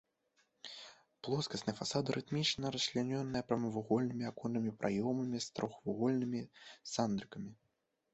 Плоскасныя фасады рытмічна расчлянёны прамавугольнымі аконнымі праёмамі з трохвугольнымі сандрыкамі.